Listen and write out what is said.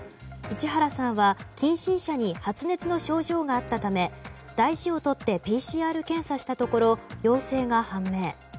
市原さんは、近親者に発熱の症状があったため大事をとってＰＣＲ検査したところ陽性が判明。